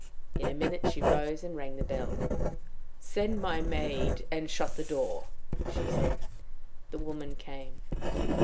In a minute she rose and rang the bell. "Send my maid, and shut the door," she said. The woman came.